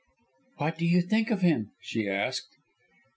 "What do you think of him?" she asked.